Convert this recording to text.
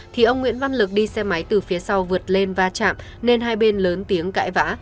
thì ông nguyễn văn lực đi xe máy từ phía sau vượt lên va chạm nên hai bên lớn tiếng cãi vã